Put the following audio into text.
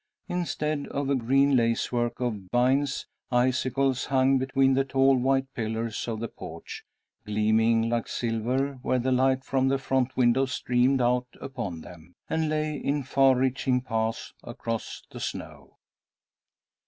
Instead of a green lacework of vines, icicles hung between the tall white pillars of the porch, gleaming like silver where the light from the front windows streamed out upon them, and lay in far reaching paths across the snow.